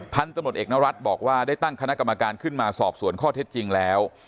พันธุ์ตำรวจเอกนรัฐบอกว่าได้ตั้งคณะกรรมการขึ้นมาสอบสวนข้อเท็จจริงแล้ว